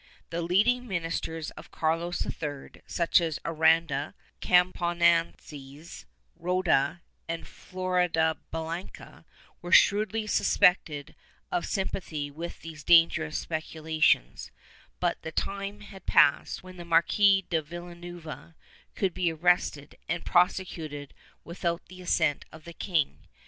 The leading ministers of Carlos III, such as Aranda, Cam pomanes, Roda and Floridablanca, were shrewdly suspected of sympathy with these dangerous speculations, but the time had passed when the Marquis of Villanueva could be arrested and prosecuted without the assent of the king.